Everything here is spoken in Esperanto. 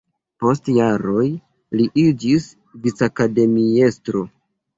Post jaroj li iĝis vicakademiestro.